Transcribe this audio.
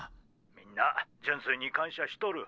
みんな純粋に感謝しとる。